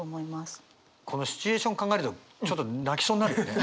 このシチュエーション考えるとちょっと泣きそうになるよね。